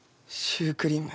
シュークリーム？